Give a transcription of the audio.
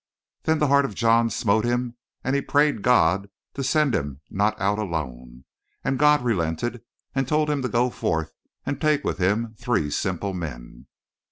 "Then the heart of John smote him and he prayed God to send him not out alone, and God relented and told him to go forth and take with him three simple men.